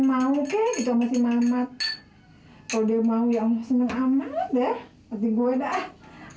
mau kek masih mamat mau yang seneng amat deh